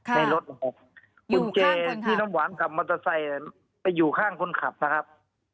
ในรถกุญแจที่น้ำหวานขับมอเตอร์ไซค์ไปอยู่ข้างคนขับนะครับ